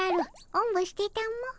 おんぶしてたも。